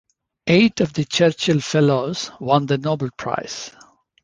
Eight of the Churchill Fellows won the Nobel Prize.